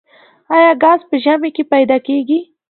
آیا ګاز په ژمي کې پیدا کیږي؟